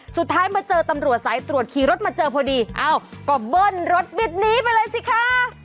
สุดท้ายมาเจอตำรวจสายตรวจขี่รถมาเจอพอดีเอ้าก็เบิ้ลรถบิดหนีไปเลยสิคะ